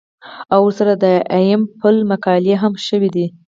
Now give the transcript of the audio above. او ورسره د ايم فل مقالې هم شوې دي